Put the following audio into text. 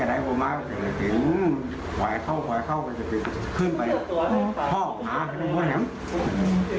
อ๋อล่ะกลัวเมียตกใจ